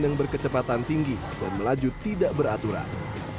yang berkecepatan tinggi dan melaju tidak beraturan